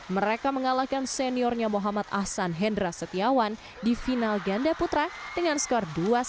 mereka mengalahkan seniornya muhammad ahsan hendra setiawan di final ganda putra dengan skor dua puluh satu lima belas dua puluh satu enam belas